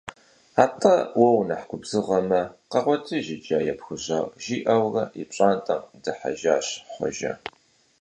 АтӀэ уэ унэхъ губзыгъэмэ, къэгъуэтыж иджы а епхужьар, - жиӀэурэ и пщӀантӀэм дыхьэжащ Хъуэжэ.